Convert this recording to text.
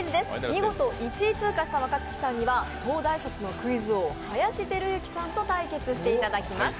見事１位通過した若槻さんには、東大卒のクイズ王、林輝幸さんと対決していただきます。